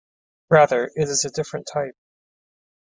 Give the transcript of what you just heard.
Rather, it is a different type.